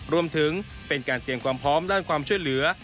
รวมถึงเป็นการเตรียมความพร้อมด้านความช่วยเหลือ